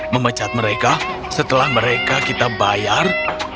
memecat mereka setelah mereka kita bayar